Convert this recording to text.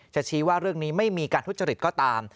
ชี้ว่าเรื่องนี้ไม่มีการทุจริตก็ตาม